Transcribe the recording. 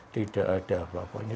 tidak ada apa apanya